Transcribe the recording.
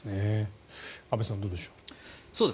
安部さん、どうでしょう。